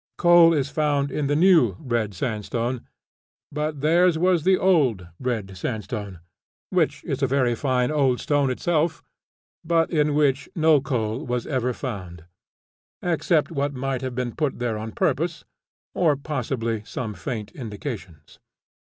Coal is found in the new red sandstone; but theirs was the old red sandstone, which is a very fine old stone itself, but in which no coal was ever found, except what might have been put there on purpose, or possibly some faint indications.